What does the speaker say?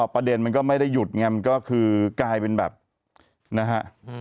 ประเด็นมันก็ไม่ได้หยุดไงมันก็คือกลายเป็นแบบนะฮะ